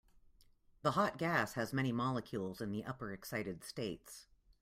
The hot gas has many molecules in the upper excited states.